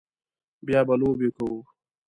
بیا به لوبې کوو